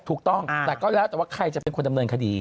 ถูกต้องแต่ก็แล้วแต่ว่าใครจะเป็นคนดำเนินคดี